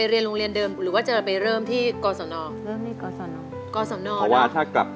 หยุดครับหยุดครับหยุดครับ